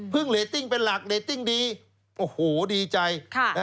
เรตติ้งเป็นหลักเรตติ้งดีโอ้โหดีใจ